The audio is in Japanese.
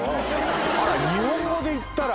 あれ日本語で言ったら。